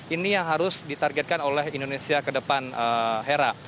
ini yang harus ditargetkan oleh indonesia ke depan hera